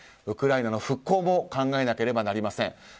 ウクライナの復興も考えなければなりません。